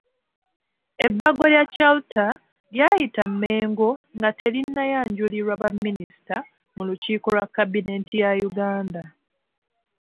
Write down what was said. Ebbago lya Chalter lyayita Mengo nga terinnayanjulirwa baminisita mu lukiiko lwa kabinenti ya Uganda.